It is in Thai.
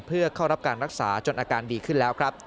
เพื่อเข้ารับการรักษาจนอาการดีขึ้นแล้วครับ